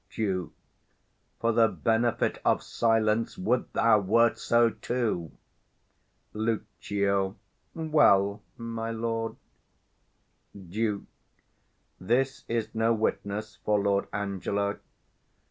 Duke. For the benefit of silence, would thou wert so too! Lucio. Well, my lord. 190 Duke. This is no witness for Lord Angelo.